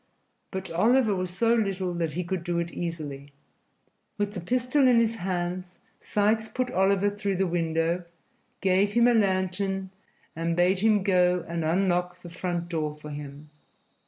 But Oliver was so little that he could do it easily. With the pistol in his hand, Sikes put Oliver through the window, gave him a lantern and bade him go and unlock the front door for them.